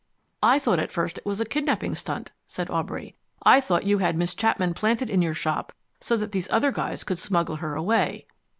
"I thought at first it was a kidnapping stunt," said Aubrey. "I thought you had got Miss Chapman planted in your shop so that these other guys could smuggle her away."